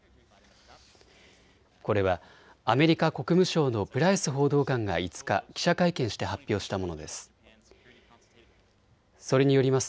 これはアメリカ国務省のプライス報道官が５日、記者会見して発表したものです。